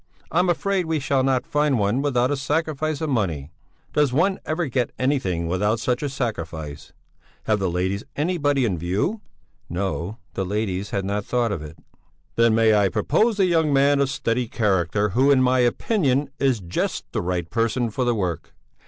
I'm afraid we shall not find one without a sacrifice of money does one ever get anything without such a sacrifice? Have the ladies anybody in view?" No, the ladies had not thought of it. "Then may I propose a young man of steady character, who in my opinion is just the right person for the work?